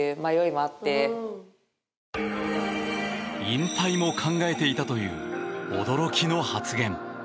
引退も考えていたという驚きの発言。